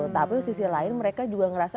tapi sisi lain mereka juga ngerasa